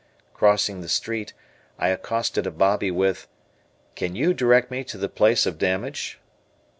Crossing the street, I accosted a Bobbie with: "Can you direct me to the place of damage?"